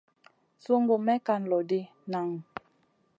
Sungu may kan loʼ ɗi, naŋu.